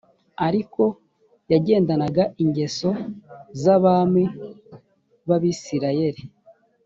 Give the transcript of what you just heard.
ariko yagendanaga ingeso z’abami b’abisirayeli